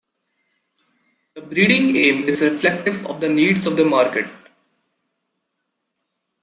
The breeding aim is reflective of the needs of the market.